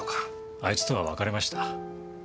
あいつとは別れました。